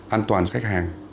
an toàn khách hàng